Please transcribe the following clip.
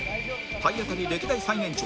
体当たり歴代最年長